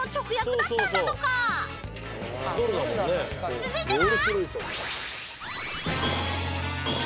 ［続いては］